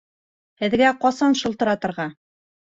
Һеҙгә ҡасан шылтыратырға?